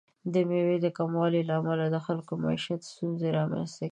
د میوې د کموالي له امله د خلکو د معیشت ستونزې رامنځته کیږي.